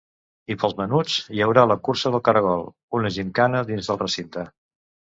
I pels menuts, hi haurà la cursa del caragol, una gimcana dins del recinte.